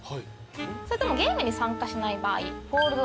それともゲームに参加しない場合フォールド